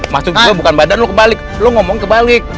masuk kebawah bukan badan lo kebalik lo ngomong kebalik